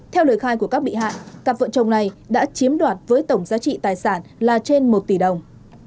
theo lời khai của các bị hại cặp vợ chồng này đã chiếm đoạt với tổng giá trị tài sản là trên một tỷ đồng